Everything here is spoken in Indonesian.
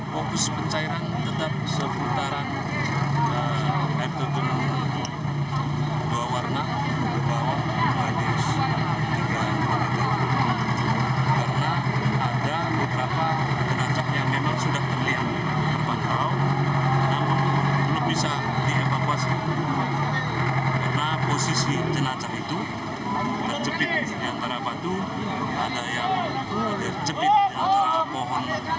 karena posisi jenazah itu terjepit di antara batu ada yang terjepit di antara pohon kayu besar halok